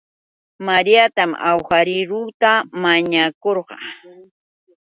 Mariatam awhariieuta mañakurqaa